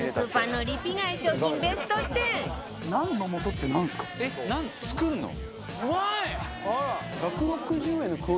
えっナン作るの？